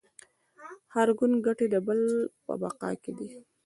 د هر ګوند ګټې د بل په بقا کې دي